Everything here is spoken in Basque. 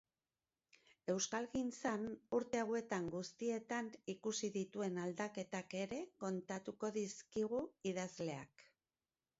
Euskalgintzan, urte hauetan guztietan ikusi dituen aldaketak ere kontatuko dizkigu idazleak.